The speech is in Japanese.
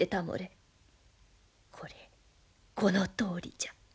これこのとおりじゃ。